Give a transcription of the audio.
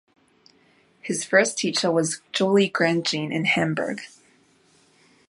His first teacher was Julie Grandjean in Hamburg.